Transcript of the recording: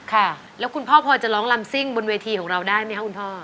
ค่ะแล้วคุณพ่อพอจะร้องลำซิ่งบนเวทีของเราได้ไหมคะคุณพ่อ